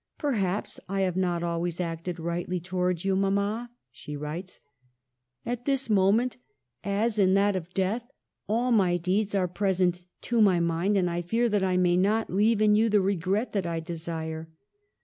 "Perhaps I have not always acted rightly towards you, Mamma," she writes. "At this moment, as in that of death, all my deeds are present to my mind, and I fear that I may not leave in you the regret that I desire.